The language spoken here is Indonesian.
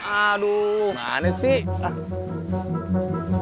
aduh mana sih